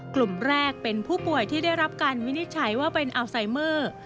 กลุ่มแรกเป็นผู้ป่วยที่ได้รับการวินิจฉัยว่าเป็นอัลไซเมอร์